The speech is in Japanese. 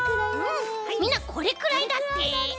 みんなこれくらいだって。